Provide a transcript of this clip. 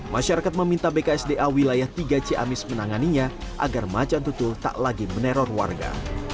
masyarakat meminta bksda wilayah tiga ciamis menanganinya agar macan tutul tak lagi meneror warga